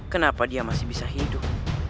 kenapa dia masih bisa hidup